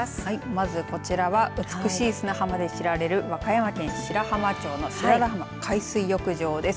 まずこちらは美しい砂浜で知られる、和歌山県白浜町の白良浜海水浴場です。